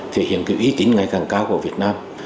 thể hiện cái ý tính ngày càng cao của việt nam